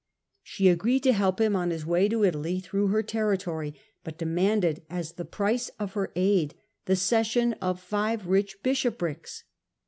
She agreed to help him on his way to Italy through her territory, but demanded, as the price of her aid, the cession of five rich bishoprics.